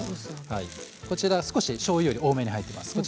こちら少し、しょうゆより多めに入っています。